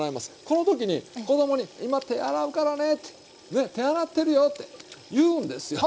この時に子供に今手洗うからねって手洗ってるよって言うんですよ。